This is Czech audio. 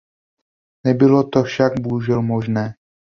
Nebylo to však bohužel možné.